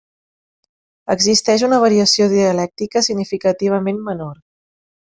Existeix una variació dialèctica significativament menor.